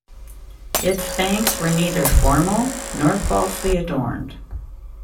Its banks were neither formal, nor falsely adorned.